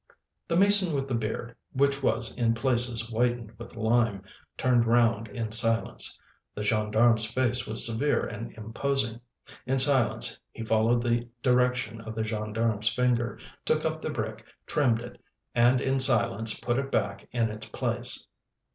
The mason with the beard, which was in places whitened with lime, turned round in silence—the gendarme's face was severe and imposing—in silence he followed the direction of the gendarme's finger, took up the brick, trimmed it, and in silence put it back in its place.